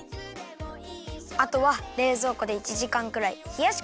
あとはれいぞうこで１じかんくらいひやしかためるよ。